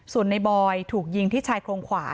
ส่วนในบอยถูกยิงที่ชายโครงขวา